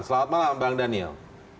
selamat malam bang daniel